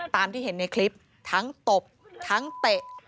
ตามที่เห็นในคลิปทั้งตบทั้งเตะ